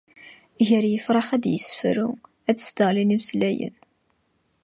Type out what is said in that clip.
Gar yifrax ad yessefru, ad s-d-ɣlin imeslayen.